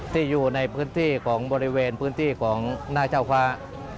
อยู่ในพื้นที่ของบริเวณพื้นที่ของหน้าเจ้าฟ้า